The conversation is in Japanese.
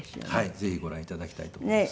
ぜひご覧頂きたいと思います。